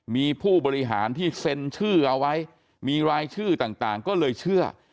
มีผู้บริหารที่เซ็นชื่อเอาไว้มีรายชื่อต่างก็เลยเชื่อ